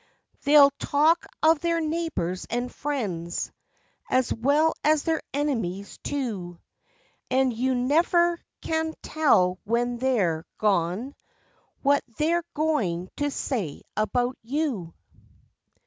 They'll talk of their neighbors and friends, As well as their enemies too, And you never can tell when they're gone, What they're going to say about you.